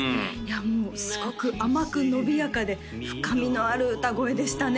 もうすごく甘く伸びやかで深みのある歌声でしたね